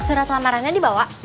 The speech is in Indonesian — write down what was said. surat lamarannya dibawa